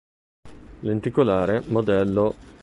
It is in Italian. Lenticolare Mod.